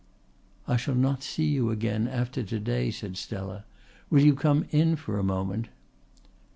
"I shall not see you again after to day," said Stella. "Will you come in for a moment?"